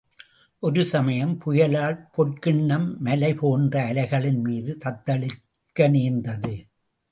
ஒரு சமயம், புயலால் பொற்கிண்ணம் மலை போன்ற அலைகளின் மீது தத்தளிக்க நேர்ந்தது.